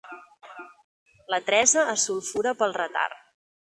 La Teresa es sulfura pel retard.